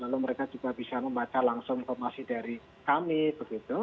lalu mereka juga bisa membaca langsung informasi dari kami begitu